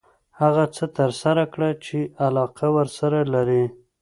هغه څه ترسره کړه چې علاقه ورسره لري .